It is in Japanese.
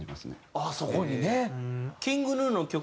ああそこにね。